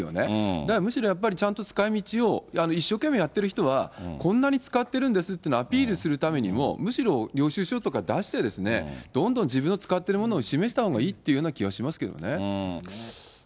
だからむしろ、やっぱりちゃんと使いみちを、一生懸命やってる人は、こんなに使ってるんですっていうのをアピールするためにも、むしろ領収書とか出して、どんどん自分の使っているものを示したほうがいいっていうような気はしますけどね。